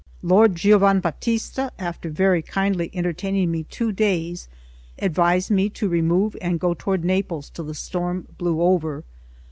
Lord Giovanbatista, after very kindly entertaining me two days, advised me to remove and go toward Naples till the storm blew over.